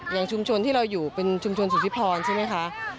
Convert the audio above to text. อย่างชุมชนที่เราอยู่เป็นชุมชนสุธิพรใช่ไหมคะ